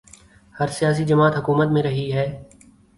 ہر سیاسی جماعت حکومت میں رہی ہے۔